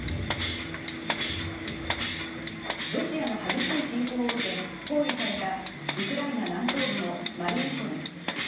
ロシアの激しい侵攻を受け、包囲されたウクライナ南東部のマリウポリ。